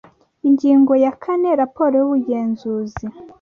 Ingingo ya kane Raporo y’Ubugenzuzi